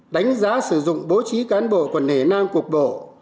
đánh giá sử dụng bố trí cán bộ quần hề nang cục bộ